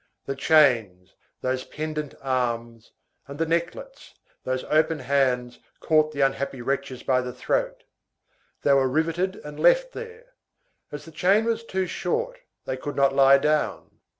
The chains, those pendant arms, and the necklets, those open hands, caught the unhappy wretches by the throat. They were rivetted and left there. As the chain was too short, they could not lie down.